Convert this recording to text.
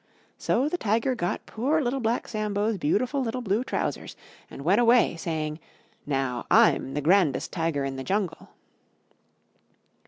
So the Tiger got poor Little Black Sambo's beautiful little Blue Trousers, and went away saying, "Now I'm the grandest Tiger in the Jungle."